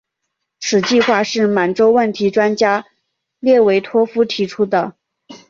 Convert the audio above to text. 此计划是满洲问题专家列维托夫提出的。